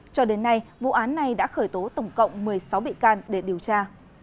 cho đến nay vụ án này đã khởi tố tổng cộng một mươi sáu bị can để điều tra